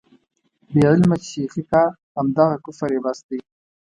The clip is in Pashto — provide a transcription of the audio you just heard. بې علمه چې شېخي کا، همدغه کفر یې بس دی.